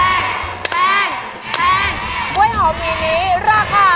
ดังนั้นของวีนี้ราคา